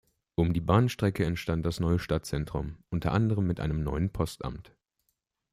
Um die Bahnstrecke entstand das neue Stadtzentrum, unter anderem mit einem neuen Postamt.